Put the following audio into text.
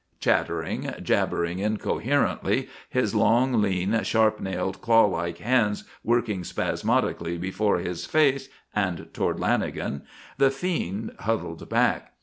Chattering, jabbering incoherently, his long, lean, sharp nailed, claw like hands working spasmodically before his face and toward Lanagan, the fiend huddled back.